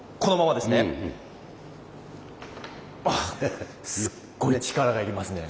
あすっごい力が要りますね。